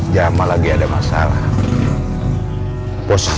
buat k ig terakhir